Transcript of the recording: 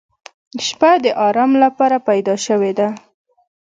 • شپه د آرام لپاره پیدا شوې ده.